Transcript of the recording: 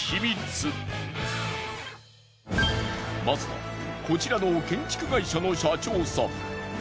まずはこちらの建築会社の社長さん。